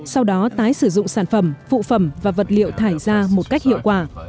sau đó tái sử dụng sản phẩm phụ phẩm và vật liệu thải ra một cách hiệu quả